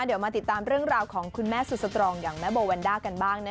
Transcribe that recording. เดี๋ยวมาติดตามเรื่องราวของคุณแม่สุดสตรองอย่างแม่โบแวนด้ากันบ้าง